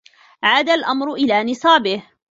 عاد الأمر إلى نصابه